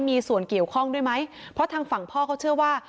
มีส่วนเกี่ยวข้องด้วยไหมเพราะทางฝั่งพ่อเขาเชื่อว่า